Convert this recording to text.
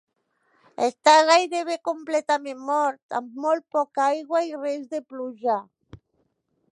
Està gairebé completament mort, amb molt poca aigua i res de pluja.